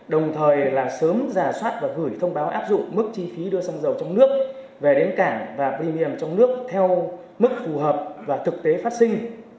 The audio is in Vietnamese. đồng thời là sớm giả soát và gửi thông báo áp dụng mức chi phí đưa xăng dầu trong nước về đến cảng và miền trong nước theo mức phù hợp và thực tế phát sinh